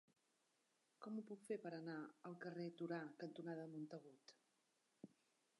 Com ho puc fer per anar al carrer Torà cantonada Montagut?